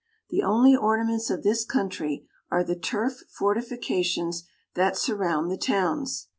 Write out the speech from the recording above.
The only or naments of this country are the turf fortifications that surround the towns.